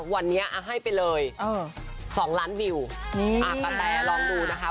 วันนี้อะให้ไปเลยเอ่อสองล้านดิวนี่อ่ากระแทลองดูนะคะ